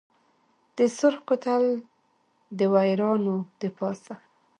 د سرخ کوتل دویرانو دپاسه